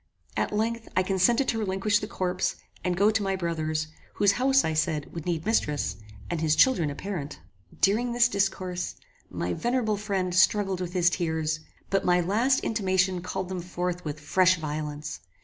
At length, I consented to relinquish the corpse, and go to my brother's, whose house, I said, would need mistress, and his children a parent. During this discourse, my venerable friend struggled with his tears, but my last intimation called them forth with fresh violence.